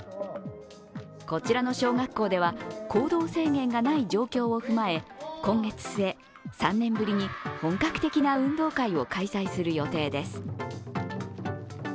こちらの小学校では、行動制限がない状況を踏まえ、今月末、３年ぶりに本格的な運動会を開催する予定です。